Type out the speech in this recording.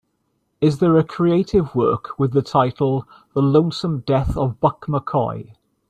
Is there a creative work with the title The Lonesome Death of Buck McCoy